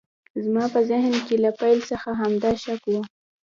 زما په ذهن کې له پیل څخه همدا شک و